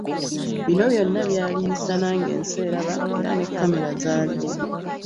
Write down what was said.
Bino byonna byali misana ng’ensi eraba era ne kkamera zaaliwo.